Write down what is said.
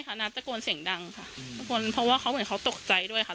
ใช่ค่ะน้าตะโกนเสียงดังค่ะเพราะว่าเขาเหมือนเขาตกใจด้วยค่ะ